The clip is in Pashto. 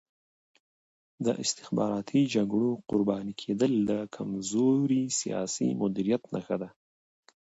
د استخباراتي جګړو قرباني کېدل د کمزوري سیاسي مدیریت نښه ده.